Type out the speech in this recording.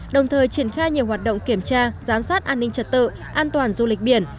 đồng thời triển khai nhiều hoạt động kiểm tra giám sát an ninh trật tự an toàn du lịch biển